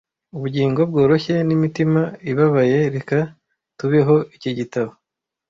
ubugingo bworoshye n'imitima ibabaye reka tubeho iki gitabo